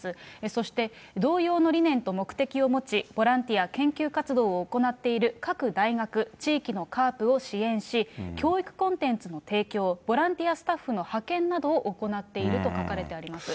そして同様の理念と目的を持ち、ボランティア・研究活動を行っている各大学、地域のＣＡＲＰを支援し、教育コンテンツの提供、ボランティアスタッフの派遣などを行っていると書かれてあります。